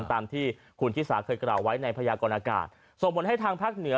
ตามที่คุณชิสาเคยกล่าวไว้ในพยากรณากาศส่งผลให้ทางภาคเหนือ